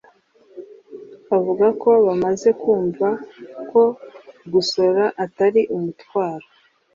avuga ko bamaze kumva ko gusora atari umutwaro